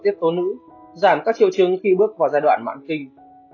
giúp cải thiện chứng dối loạn nữ giảm các triệu chứng khi bước vào giai đoạn mạng kinh